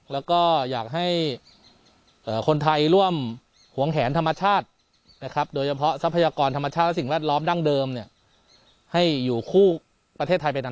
แล้วก็อยากให้คนไทยร่วมหวงแหนธรรมชาตินะครับโดยเฉพาะทรัพยากรธรรมชาติและสิ่งแวดล้อมดั้งเดิมให้อยู่คู่ประเทศไทยไปนาน